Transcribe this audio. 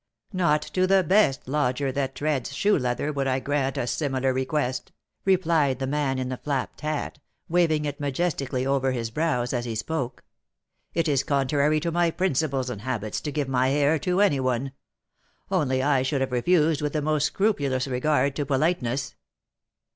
"Not to the best lodger that treads shoe leather would I grant a similar request," replied the man in the flapped hat, waving it majestically over his brows as he spoke; "it is contrary to my principles and habits to give my hair to any one, only I should have refused with the most scrupulous regard to politeness."